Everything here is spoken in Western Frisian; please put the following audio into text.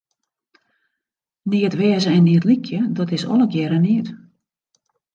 Neat wêze en neat lykje, dat is allegearre neat.